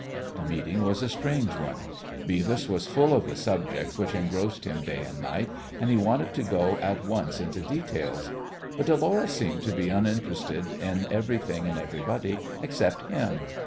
The meeting was a strange one. Beavis was full of the subject which engrossed him day and night, and he wanted to go at once into details, but Dolores seemed to be uninterested in everything and everybody except him.